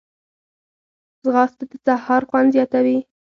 ځغاسته د سهار خوند زیاتوي